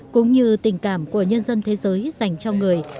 cũng như tình cảm của nhân dân thế giới dành cho người